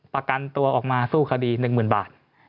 ประกันตัวออกมาสู้คดี๑๐๐๐บาท